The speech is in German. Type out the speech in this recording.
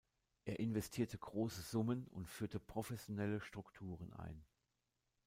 Er investierte große Summen und führte professionelle Strukturen ein.